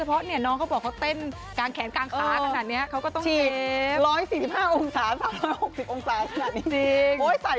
พุทธน้องเขาบอกเชี่ยวว่าเขาต้องเชียวเกงเถอะ